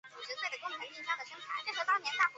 这使他有机会将设想变为现实。